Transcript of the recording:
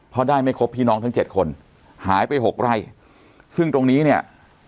เพราะได้ไม่ครบพี่น้องทั้งเจ็ดคนหายไปหกไร่ซึ่งตรงนี้เนี่ย